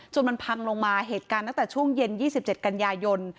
มันพังลงมาเหตุการณ์ตั้งแต่ช่วงเย็น๒๗กันยายน